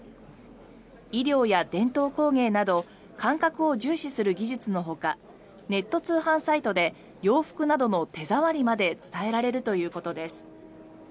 医療や伝統工芸など感覚を重視する技術のほかネット通販サイトで洋服などの手触りまで伝えられるということです。